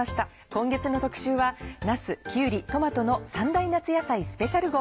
今月の特集はなすきゅうりトマトの３大夏野菜スペシャル号。